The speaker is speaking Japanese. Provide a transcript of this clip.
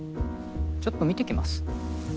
ちょっと見てきます。